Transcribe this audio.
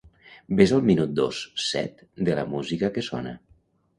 Ves al minut dos set de la música que sona.